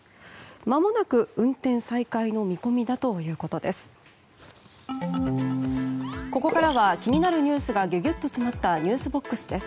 まもなく運転再開の見込みだということです。